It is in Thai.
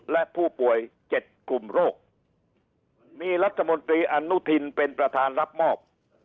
และผู้ป่วย๗กลุ่มโรคมีรัฐมนตรีอนุทินเป็นประธานรับมอบ